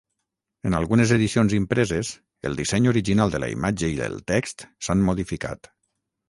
En algunes edicions impreses, el disseny original de la imatge i el text s'han modificat.